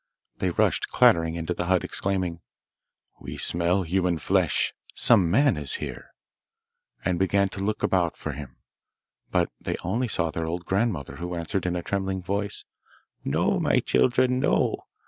They rushed clattering into the hut, exclaiming, 'We smell human flesh! Some man is here,' and began to look about for him; but they only saw their old grandmother, who answered, in a trembling voice, 'No, my children, no!